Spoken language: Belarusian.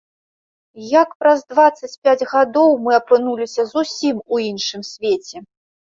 Як праз дваццаць пяць гадоў мы апынуліся зусім у іншым свеце?